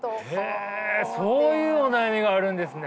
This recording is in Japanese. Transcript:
へえそういうお悩みがあるんですね。